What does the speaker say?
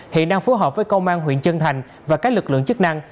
hiện đang phối hợp với công an huyện chân thành và các lực lượng chức năng